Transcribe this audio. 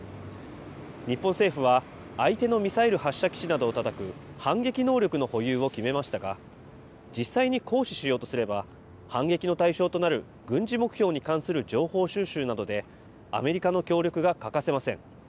日本政府は、相手のミサイル発射基地などをたたく反撃能力の保有を決めましたが、実際に行使しようとすれば、反撃の対象となる軍事目標に関する情報収集などで、アメリカの協力が欠かせません。